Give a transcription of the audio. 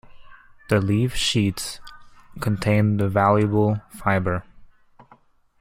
The leaf sheaths contain the valuable fiber.